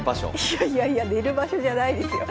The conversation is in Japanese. いやいやいや寝る場所じゃないですよ。